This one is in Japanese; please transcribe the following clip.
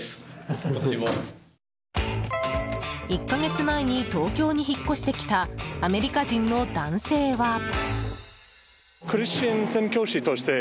１か月前に東京に引っ越してきたアメリカ人の男性は。